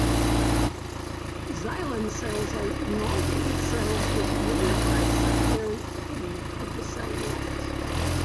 Xylem cells are elongated cells with lignified secondary thickening of the cell walls.